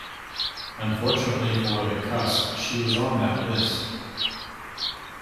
Unfortunately for the "Cusk", she was on that list.